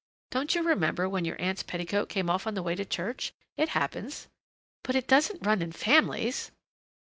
"Don't you remember when your aunt's petticoat came off on the way to church? It happens." "But it doesn't run in families!"